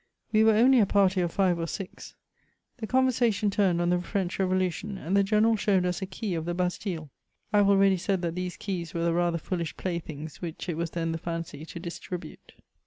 We were only a party of five or six ; the conversation turned on the French revo lution, and the general showed us a key of the Bastille. I have already said that these keys were the rather foolish playthings which it was then the fancy to distribute.